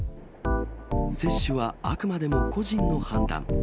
接種はあくまでも個人の判断。